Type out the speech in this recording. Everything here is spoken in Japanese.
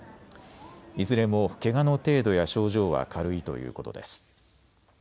いずれもけがの程度や症状は軽いということです。